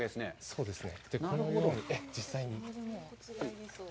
そうですね。